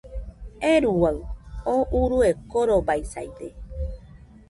¡Euruaɨ! oo urue korobaisaide